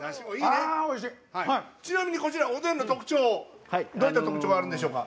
ちなみにおでんの特徴どういった特徴があるんでしょうか。